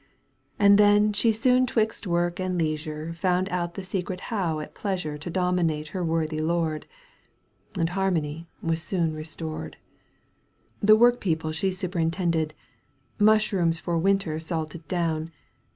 And then she soon 4wixt work and leisure Found out the secret how at pleasure To dominate her worthy lord, And harmony was soon restored. The workpeople she superintended, Mushrooms for winter salted down.